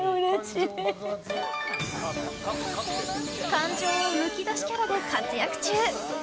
感情をむき出しキャラで活躍中！